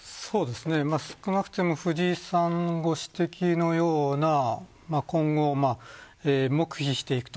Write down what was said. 少なくとも藤井さんご指摘のような今後、黙秘していくと。